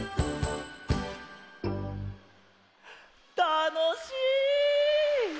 たのしい！